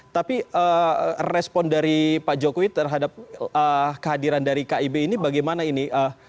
tapi respon dari pak jokowi terhadap kehadiran dari kib ini bagaimana ini